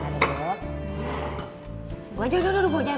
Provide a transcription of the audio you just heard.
kita taruh sini